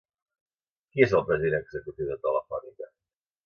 Qui és el president executiu de Telefònica?